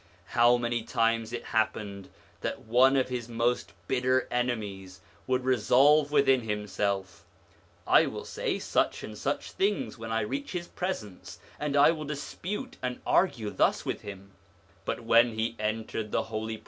How many times it happened that one of his most bitter enemies would resolve within himself: ' I will say such and such things when I reach his presence, and I will dispute and argue thus with him,' but when he entered the Holy 1 Wali.